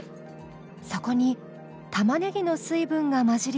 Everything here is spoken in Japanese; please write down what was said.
そこに玉ねぎの水分が混じり合って